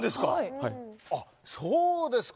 そうですか。